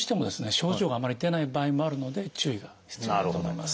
症状があまり出ない場合もあるので注意が必要だと思います。